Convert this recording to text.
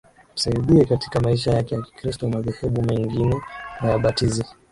amsaidie katika maisha yake ya Kikristo Madhehebu mengine hayabatizi